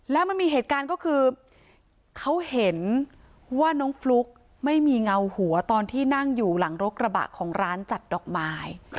แล้วมันมีเหตุการณ์ก็คือเขาเห็นว่าน้องฟลุ๊กไม่มีเงาหัวตอนที่นั่งอยู่หลังรถกระบะของร้านจัดดอกไม้